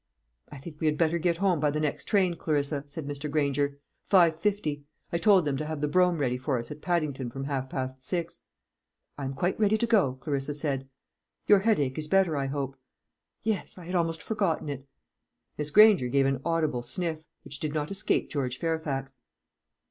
"I think we had better get home by the next train, Clarissa," said Mr. Granger; "5.50. I told them to have the brougham ready for us at Paddington from half past six." "I am quite ready to go," Clarissa said. "Your headache is better, I hope." "Yes; I had almost forgotten it." Miss Granger gave an audible sniff, which did not escape George Fairfax.